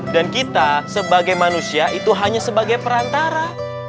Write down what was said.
dan kita sebagai manusia itu hanya sebagai perantara